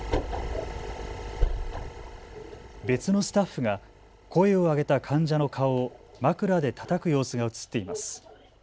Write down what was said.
別のスタッフが声を上げた患者の顔を枕でたたく様子が写っています。